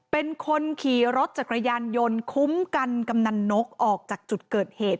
เป็นคนขี่รถจักรยานยนต์คุ้มกันกำนันนกออกจากจุดเกิดเหตุ